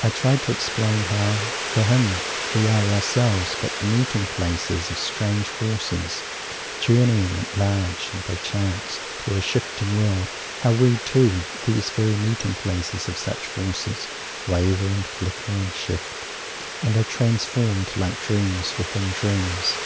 I try to explain how, for him, we are ourselves but the meeting places of strange forces, journeying at large and by chance through a shifting world; how we, too, these very meeting places of such forces, waver and flicker and shift and are transformed, like dreams within dreams!